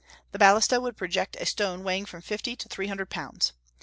The balista would project a stone weighing from fifty to three hundred pounds.